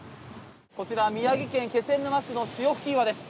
こちら宮城県気仙沼市の潮吹き岩です。